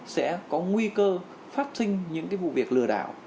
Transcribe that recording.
sẽ có nguy cơ phát sinh những vụ việc lừa đảo